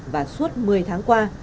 và suốt một mươi tháng qua